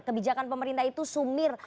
kebijakan pemerintah itu sumir